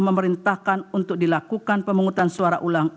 memerintahkan untuk dilakukan pemungutan suara ulang